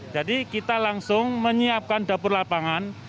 jadi kita langsung menyiapkan dapur lapangan